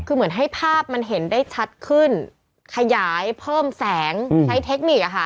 คือเหมือนให้ภาพมันเห็นได้ชัดขึ้นขยายเพิ่มแสงใช้เทคนิค